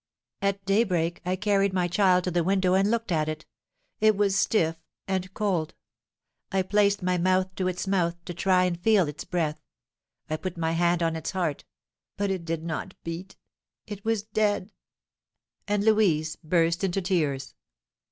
At daybreak I carried my child to the window and looked at it; it was stiff and cold. I placed my mouth to its mouth, to try and feel its breath. I put my hand on its heart; but it did not beat; it was dead." And Louise burst into tears.